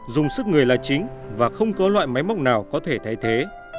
dùng sức người là chính và không có loại máy móc nào có thể thay thế